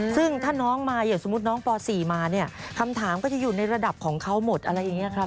ซึ่งถ้าน้องมาอย่างสมมุติน้องป๔มาเนี่ยคำถามก็จะอยู่ในระดับของเขาหมดอะไรอย่างนี้ครับ